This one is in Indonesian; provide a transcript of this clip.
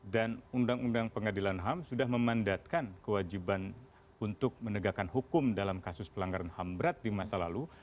undang undang pengadilan ham sudah memandatkan kewajiban untuk menegakkan hukum dalam kasus pelanggaran ham berat di masa lalu